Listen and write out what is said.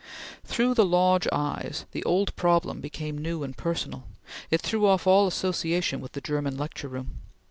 Through the Lodge eyes the old problem became new and personal; it threw off all association with the German lecture room.